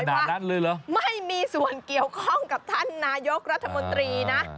ขนาดนั้นเลยเหรอไม่มีส่วนเกี่ยวข้องกับท่านนายกรัฐมนตรีนะ